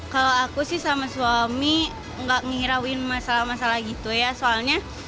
kalau aku sih sama suami nggak ngirauin masalah masalah gitu ya soalnya